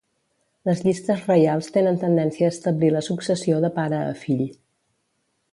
Les llistes reials tenen tendència a establir la successió de pare a fill.